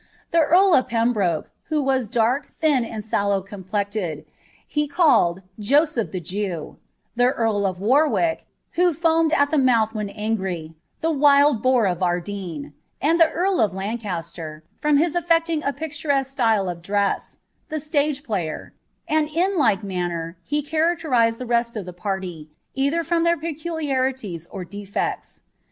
The earl of Pembroke, who was dark, (hin, and tJh complexioned, he calkd " Joseph the Jew ;" the earl of W«nrick, m foomad at the monlh when angrj ,^ the wild boar of Arttenne ;" lad earl of Lancaster, from hia acting a picturesijae style of dm*, « Bia^ player ;"* and in like manner ne characterized the rest of the pn either from their peculiarities or defects.